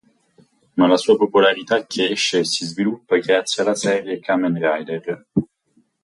Ma la sua popolarità cresce e si sviluppa grazie alla serie "Kamen Rider".